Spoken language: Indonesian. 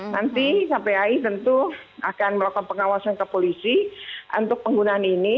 nanti kpai tentu akan melakukan pengawasan ke polisi untuk penggunaan ini